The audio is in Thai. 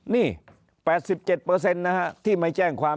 นี่๘๗ที่ไม่แจ้งความ